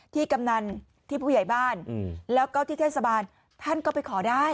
กำนันที่ผู้ใหญ่บ้านแล้วก็ที่เทศบาลท่านก็ไปขอได้